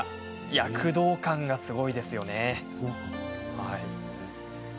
躍動感がすごいですよね。